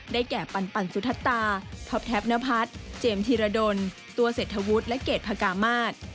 แก่ปันสุธตาท็อปแท็บนพัฒน์เจมส์ธีรดลตัวเศรษฐวุฒิและเกรดพกามาศ